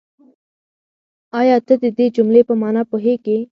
آيا ته د دې جملې په مانا پوهېږې؟